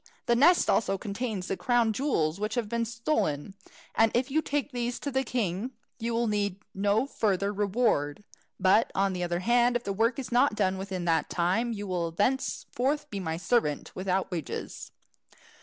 The nest also contains the crown jewels which have been stolen, and if you take these to the king, you will need no further reward. But, on the other hand, if the work is not done within the time, you will thenceforth be my servant without wages."